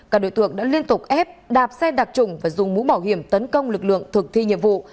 các đối tượng đã liên tục ép đạp xe đặc trùng và dùng mũ bảo hiểm tấn công lực lượng thực thi nhiệm vụ